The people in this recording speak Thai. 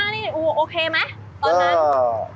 ๑๕๐๐๐นี่โอเคไหมตอนนั้น